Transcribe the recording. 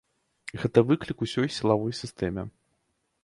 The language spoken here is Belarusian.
Гэта выклік усёй сілавой сістэме.